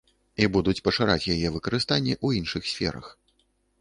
І будуць пашыраць яе выкарыстанне ў іншых сферах.